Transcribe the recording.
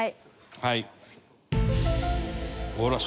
はい。